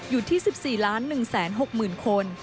อยู่ที่๑๔๑๖๐๐๐คน